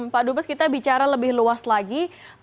pak dubes kita bicara lebih luas lagi